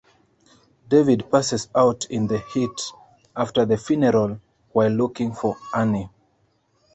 David passes out in the heat after the "funeral" while looking for Annie.